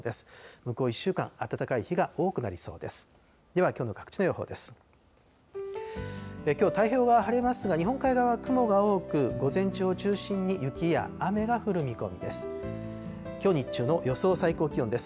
向こう１週間、暖かい日が多くなりそうです。